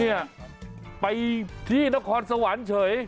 เนี่ยไปที่นครสวรรค์เฉย